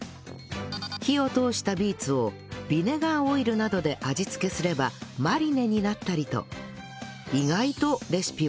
火を通したビーツをビネガーオイルなどで味付けすればマリネになったりと意外とレシピは多いのだとか